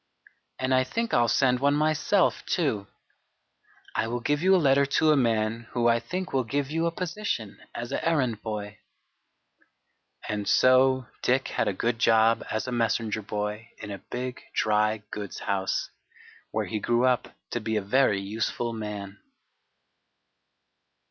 And I think I'll send one myself too. I will give you a letter to a man who I think will give you a position as an errand boy." And so Dick had a good job as a messenger boy in a big dry goods house, where he grew up to be a very useful man.